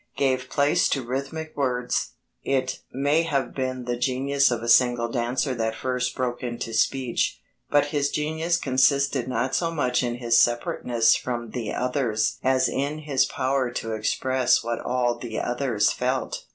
gave place to rhythmic words. It may have been the genius of a single dancer that first broke into speech, but his genius consisted not so much in his separateness from the others as in his power to express what all the others felt.